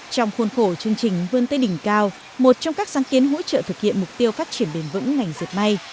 trong khuôn khổ chương trình vươn tây đỉnh cao một trong các sáng kiến hỗ trợ thực hiện mục tiêu phát triển bền vững ngành diệt may